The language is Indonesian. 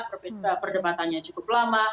perbedaan perdebatannya cukup lama